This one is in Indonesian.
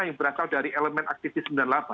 yang berasal dari elemen aktivis sembilan puluh delapan